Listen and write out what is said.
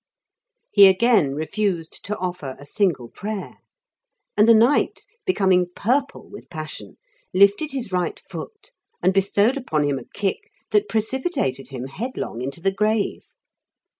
He again refused to offer a single prayer, and the knight, becoming purple with passion, lifted his right foot and bestowed upon him a kick that precipitated him head long into the grave.